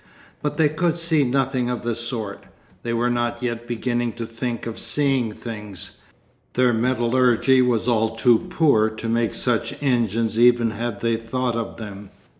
But they could see nothing of the sort. They were not yet beginning to think of seeing things; their metallurgy was all too poor to make such engines even had they thought of them.